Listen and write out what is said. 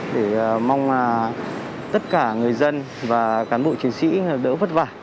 để mong tất cả người dân và cán bộ chiến sĩ đỡ vất vả